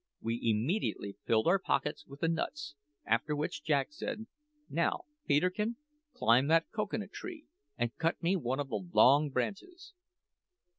We immediately filled our pockets with the nuts, after which Jack said: "Now, Peterkin, climb that cocoa nut tree and cut me one of the long branches."